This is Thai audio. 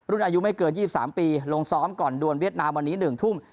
อายุไม่เกิน๒๓ปีลงซ้อมก่อนดวนเวียดนามวันนี้๑ทุ่ม